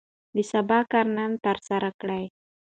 د سبا کار نن ترسره کړئ.